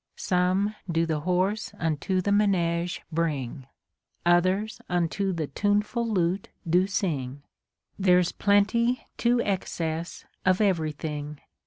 Some do the horse unto the manege bring, Others unto the tuneful lute do sing ; There's plenty to excess of every thing.